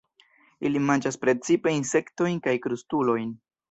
Ili manĝas precipe insektojn kaj krustulojn.